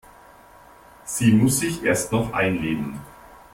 Sie muss sich erst noch einleben.